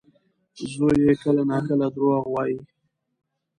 زوی یې کله ناکله دروغ وايي.